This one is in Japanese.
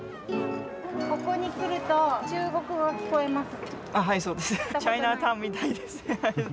ここに来ると、中国語が聞こえます。